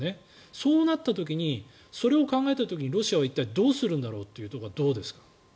そうなった時にそれを考えた時にロシアは一体どうするんだろうというところはどうですか。